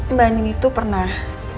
mbak nin itu pernah